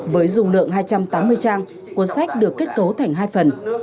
với dung lượng hai trăm tám mươi trang cuốn sách được kết cấu thành hai phần